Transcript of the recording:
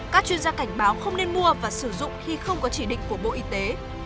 các chuyên gia cảnh báo không nên mua và sử dụng khi không có chỉ định của bộ y tế